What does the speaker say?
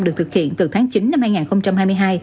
được thực hiện từ tháng chín năm hai nghìn hai mươi hai